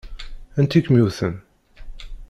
Anti i kem-yewwten?